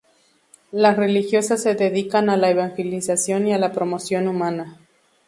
Las religiosas se dedican a la evangelización y la promoción humana.